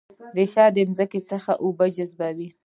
ریښې د ځمکې څخه اوبه جذبوي